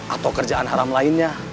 atau kerjaan haram lainnya